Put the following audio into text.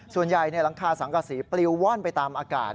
ส่วนใหญ่หลังคาสังกสีปลิวว่อนไปตามอากาศ